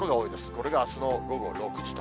これがあすの午後６時と。